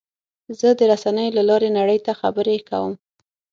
زه د رسنیو له لارې نړۍ ته خبرې کوم.